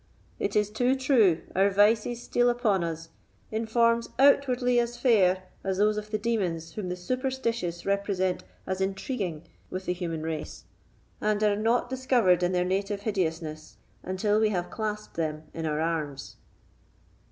It is too true, our vices steal upon us in forms outwardly as fair as those of the demons whom the superstitious represent as intriguing with the human race, and are not discovered in their native hideousness until we have clasped them in our arms."